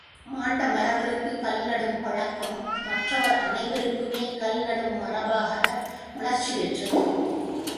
மாண்ட மறவர்க்குக் கல் நடும் பழக்கம், மற்றவர் அனைவருக்குமே கல் நடும் மரபாக மலர்ச்சி பெற்றது.